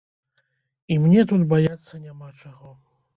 І мне тут баяцца няма чаго.